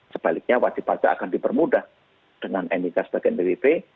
sebaliknya wajib pajak akan dipermudah dengan nik sebagai npwp